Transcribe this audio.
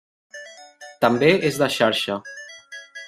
També és de xarxa.